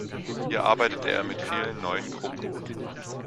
Hier arbeitete er mit vielen neuen Gruppen.